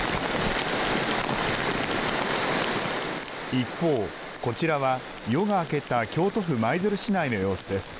一方、こちらは夜が明けた京都府舞鶴市内の様子です。